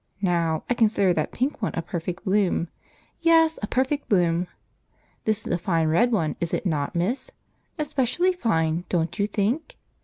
Now, I consider that pink one a perfect bloom; yes, a perfect bloom. This is a fine red one, is it not, miss? Especially fine, don't you think?